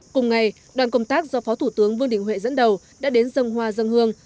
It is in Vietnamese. cùng ngày đoàn công tác do phó thủ tướng vương đình huệ dẫn đầu đã đến dân hoa dân hương